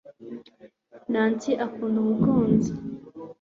Nancy akunda umuziki